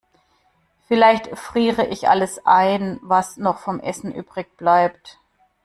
Vielleicht friere ich alles ein, was noch vom Essen übrigbleibt.